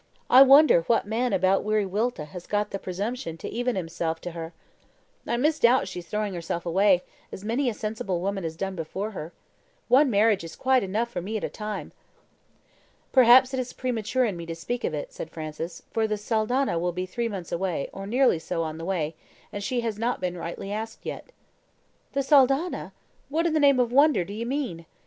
I wonder what man about Wiriwilta has got the presumption to even himself to her. I misdoubt she's throwing herself away, as many a sensible woman has done before her. One marriage is quite enough for me at a time." "Perhaps it is premature in me to speak of it," said Francis, "for the Saldanha will be three months, or nearly so, on the way, and she has not been rightly asked yet." "The Saldanha! What in the name of wonder do you mean?"